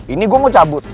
ini gue mau cabut